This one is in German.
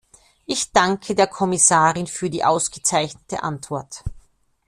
Ich danke der Kommissarin für die ausgezeichnete Antwort.